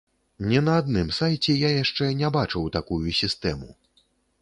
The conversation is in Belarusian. Ні на адным сайце я яшчэ не бачыў такую сістэму.